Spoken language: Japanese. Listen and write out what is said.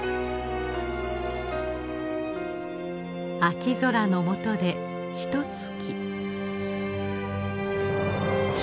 秋空の下でひとつき。